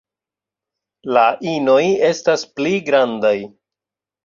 La inoj estas pli grandaj.